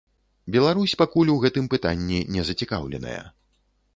Беларусь пакуль у гэтым пытанні не зацікаўленая.